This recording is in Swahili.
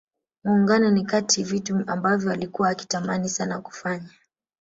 Muungano ni katika vitu ambavyo alikua akitamani sana kufanya